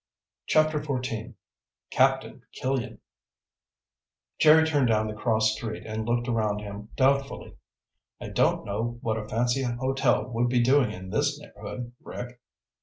CHAPTER XIV Captain Killian Jerry turned down the cross street and looked around him doubtfully. "I don't know what a fancy hotel would be doing in this neighborhood, Rick."